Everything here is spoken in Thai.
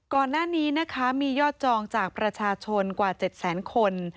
ก่อนหน้านี้นะคะมียอดจองจากประชาชนกว่า๗แสนคน